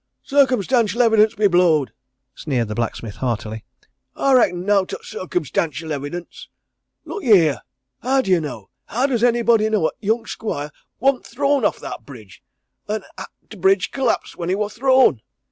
"Circumstantial evidence be blowed!" sneered the blacksmith heartily. "I reckon nowt o' circumstantial evidence! Look ye here! How do you know how does anybody know 'at t' young squire worn't thrown off that bridge, and 'at t' bridge collapsed when he wor thrown?